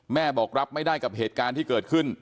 แม่บอกรับไม่ได้กับเหตุการณ์ที่เกิดขึ้น